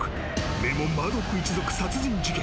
名門マードック一族殺人事件。